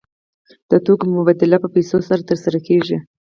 د توکو مبادله په پیسو ترسره کیږي.